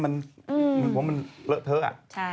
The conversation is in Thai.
มันเหมือนว่ามันเลอะเทอะอะ